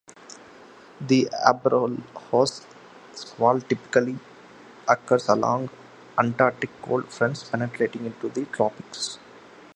The Abrolhos squall typically occurs along Antarctic cold fronts penetrating into the tropics.